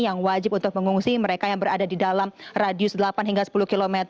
yang wajib untuk mengungsi mereka yang berada di dalam radius delapan hingga sepuluh km